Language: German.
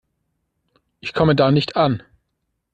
Ich komme da nicht an.